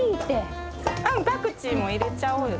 パクチーも入れちゃおうよ。